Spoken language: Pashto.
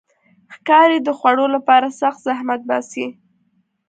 ښکاري د خوړو لپاره سخت زحمت باسي.